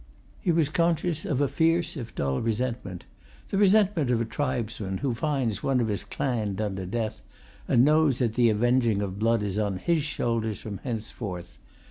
He was conscious of a fierce if dull resentment the resentment of a tribesman who finds one of his clan done to death, and knows that the avenging of blood is on his shoulders from henceforth.